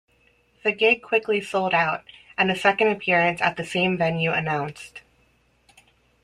The gig quickly sold out, and a second appearance at the same venue announced.